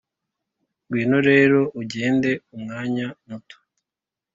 ngwino rero ugende umwanya muto